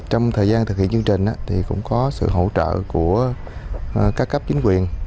trong thời gian thực hiện chương trình cũng có sự hỗ trợ của các cấp chính quyền